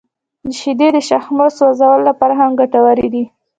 • شیدې د شحمو سوځولو لپاره هم ګټورې دي.